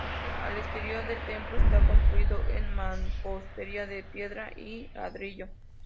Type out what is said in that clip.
Al exterior, el templo está construido en mampostería de piedra y ladrillo.